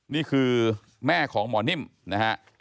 นี่คือแม่ของหมอนิ่มนะฮะ